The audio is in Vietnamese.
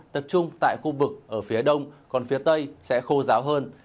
tập trung tại khu vực ở phía đông còn phía tây sẽ khô ráo hơn